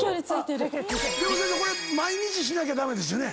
でも先生これ毎日しなきゃ駄目ですよね？